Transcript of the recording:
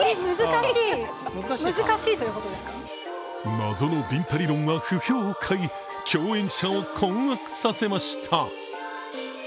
謎のビンタ理論は不評を買い、共演者を困惑させました。